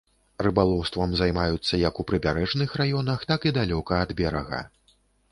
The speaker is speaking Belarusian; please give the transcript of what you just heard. Рыбалоўствам займаюцца як у прыбярэжных раёнах, так і далёка ад берага.